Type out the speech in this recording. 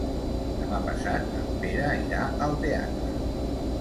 Demà passat en Pere irà al teatre.